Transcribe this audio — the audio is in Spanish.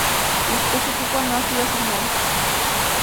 La especie tipo no ha sido asignada.